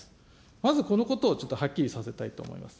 まずこのことをちょっとはっきりさせたいと思います。